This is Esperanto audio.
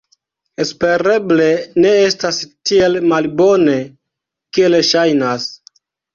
Espereble ne estas tiel malbone, kiel ŝajnas.